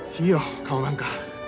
いいよ顔なんか。